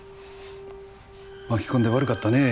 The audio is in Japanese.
巻き込んで悪かったね